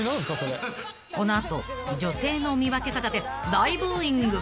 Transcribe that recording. ［この後女性の見分け方で大ブーイング］